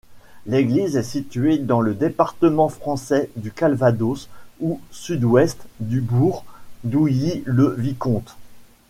L'église est située dans le département français du Calvados, au sud-ouest du bourg d'Ouilly-le-Vicomte.